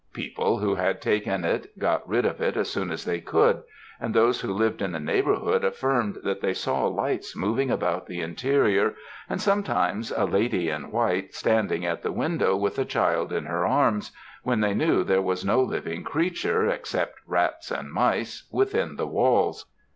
People who had taken it got rid of it as soon as they could, and those who lived in the neighbourhood affirmed that they saw lights moving about the interior, and, sometimes, a lady in white standing at the window with a child in her arms, when they knew there was no living creature, except rats and mice, within the walls.